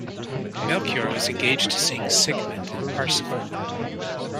Melchior was engaged to sing Siegmund and Parsifal.